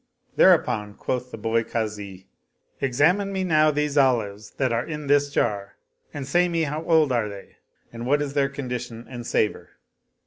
Thereupon quoth the boy Kazi, " Examine me now these olives that are in this jar and say me how old are they and what is their condition and savor."